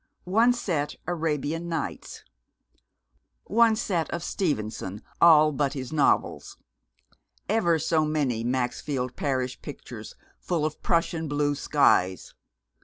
One set Arabian Nights. One set of Stevenson, all but his novels. Ever so many Maxfield Parrish pictures full of Prussian blue skies.